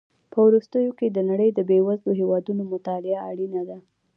په وروستیو کې د نړۍ د بېوزلو هېوادونو مطالعه اړینه ده.